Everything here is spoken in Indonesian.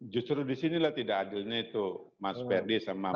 justru disinilah tidak adilnya itu mas ferdi sama